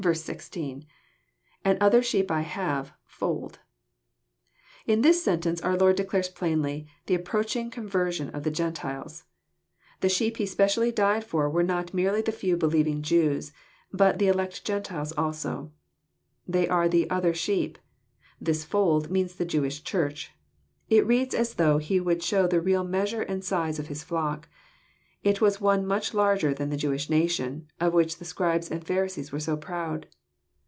— lAnd other sheep I have,.. fold,'] In this sentence, our Lord declares plainly the approaching conversion of the Gentilei». The sheep He specially died for were not merely the few believing Jews, but the elect Gentiles also. They are the "other sheep:" "this fold" means the Jewish Church. It reads as though He would show the real measure and size of His flock. It was one much larger than the Jewish nation, of which the Scribes and Pharisees were so proud.